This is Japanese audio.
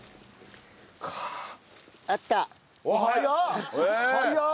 早っ！